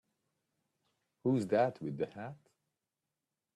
Who's that with the hat?